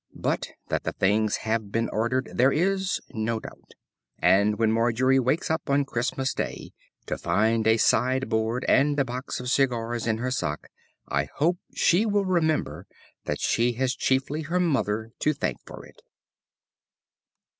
But that the things have been ordered there is no doubt. And when Margery wakes up on Christmas Day to find a sideboard and a box of cigars in her sock I hope she will remember that she has chiefly her mother to thank for it.